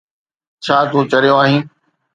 ڇا تون چريو آهين؟